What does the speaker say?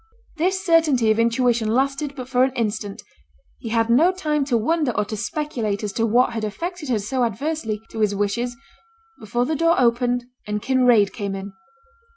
This certainty of intuition lasted but for an instant; he had no time to wonder or to speculate as to what had affected her so adversely to his wishes before the door opened and Kinraid came in.